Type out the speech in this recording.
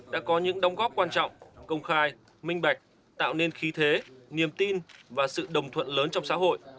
đã có những đóng góp quan trọng công khai minh bạch tạo nên khí thế niềm tin và sự đồng thuận lớn trong xã hội